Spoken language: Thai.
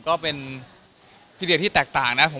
ก็เป็นธีเรียนที่แตกต่างนะครับ